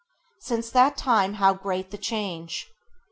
Since that time how great the change!